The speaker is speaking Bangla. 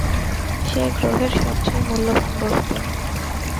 সে গ্রহের সবচেয়ে মূল্যবান বস্তু।